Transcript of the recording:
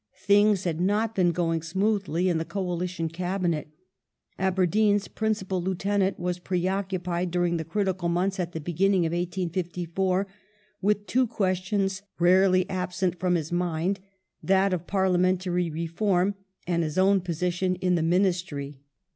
Things had not been going smoothly and in the Coalition Cabinet. Aberdeen's principal lieutenant was changes preoccupied during the critical months at the beginning of 1854 with two questions rarely absent from his mind, that of Parlia mentary Reform and his own position in the Ministry.